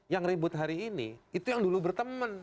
yang ribut hari ini itu yang dulu berteman